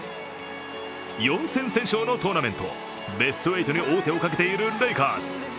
４戦先勝のトーナメント、ベスト８に王手をかけているレイカーズ。